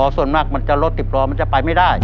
ส่วนมากมันจะรถติดรอมันจะไปไม่ได้